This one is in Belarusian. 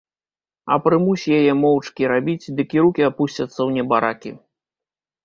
А прымусь яе моўчкі рабіць, дык і рукі апусцяцца ў небаракі.